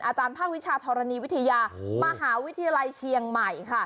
อาจารย์ภาควิชาธรณีวิทยามหาวิทยาลัยเชียงใหม่ค่ะ